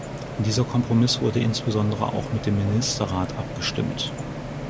Dieser Kompromiss wurde insbesondere auch mit dem Ministerrat abgestimmt.